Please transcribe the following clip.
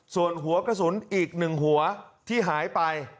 ส่วนหัวกระสุนอีก๑หัวที่หายไป